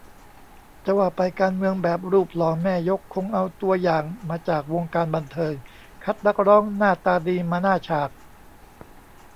จะว่าไป การเมืองแบบรูปหล่อแม่ยก คงเอาตัวอย่างมาจากวงการบันเทิง คัดนักร้องหน้าตาดีมาหน้าฉาก